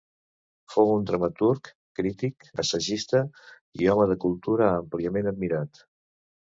Fou un dramaturg, crític, assagista i home de cultura àmpliament admirat.